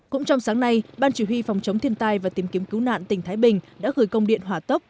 cũng trong sáng nay ban chỉ huy phòng chống thiên tai và tìm kiếm cứu nạn tỉnh thái bình đã gửi công điện hỏa tốc